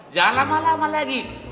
jangan lama lama lagi